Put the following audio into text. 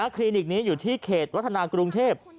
คลินิกนี้อยู่ที่เขตวัฒนากรุงเทพ